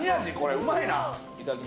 うまいな。